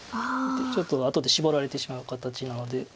ちょっと後でシボられてしまう形なので。